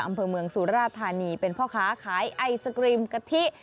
อำเภอเมืองสุราธานีเป็นพ่อค้าขายไอศกรีมกะทิ